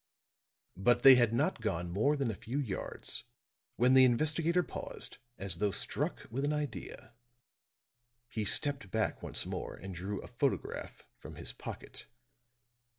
But they had not gone more than a few yards when the investigator paused as though struck with an idea. He stepped back once more and drew a photograph from his pocket.